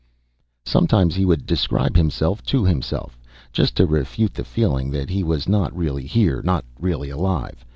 Sometimes he would describe himself to himself, just to refute the feeling that he was not really here, not really alive.